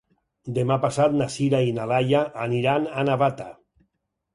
Demà passat na Sira i na Laia aniran a Navata.